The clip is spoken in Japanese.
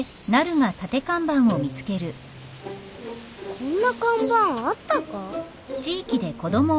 こんな看板あったか？